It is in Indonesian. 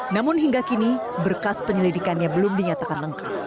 namun hingga kini berkas penyelidikannya belum dinyatakan lengkap